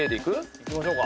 いきましょうか。